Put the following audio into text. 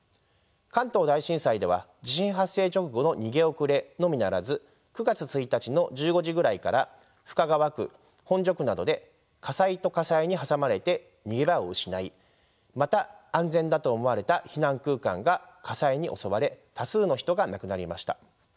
関東大震災では地震発生直後の逃げ遅れのみならず９月１日の１５時くらいから深川区本所区などで火災と火災に挟まれて逃げ場を失いまた安全だと思われた避難空間が火災に襲われ多数の人が亡くなりました。